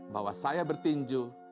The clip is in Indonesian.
bahwa saya bertinju